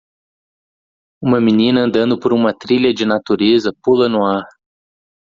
Uma menina andando por uma trilha de natureza pula no ar.